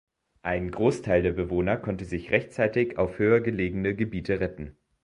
Ein Großteil der Bewohner konnte sich rechtzeitig auf höhergelegene Gebiete retten.